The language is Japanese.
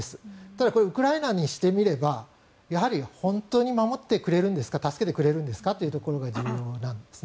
ただ、ウクライナにしてみれば本当に守ってくれるんですか助けてくれるんですかというところが重要なんです。